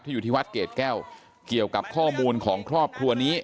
อยู่ที่วัดเกรดแก้วเกี่ยวกับข้อมูลของครอบครัวนี้